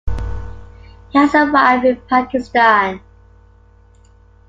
He has a wife in Pakistan.